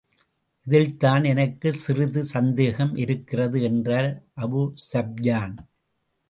இதில்தான் எனக்குச் சிறிது சந்தேகம் இருக்கிறது என்றார் அபூ ஸுப்யான்.